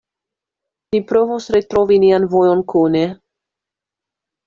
Ni provos retrovi nian vojon kune.